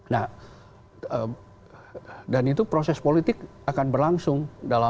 nah dan itu proses politik akan berlangsung